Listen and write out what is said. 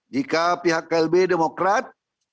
jika pihak klb demokrat